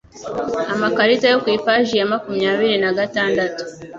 Amakarita yo ku ipaji ya makumyabiri nagatandatu